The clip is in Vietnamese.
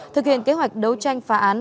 thực hiện kế hoạch đấu tranh phá án